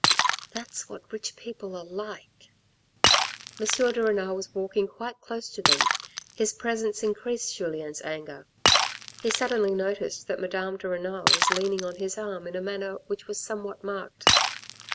" Thafs what rich people are like/" M. de Renal was walking quite close to them ; his presence increased Julien's anger. He suddenly noticed that Madame de Renal was leaning on his arm in a manner which was some what marked.